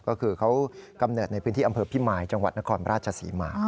ก็คือเขากำเนิดในพื้นที่อำเภอพิมายจังหวัดนครราชศรีมา